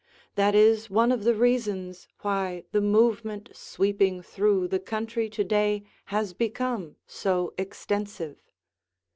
That is one of the reasons why the movement sweeping through the country to day has become so extensive.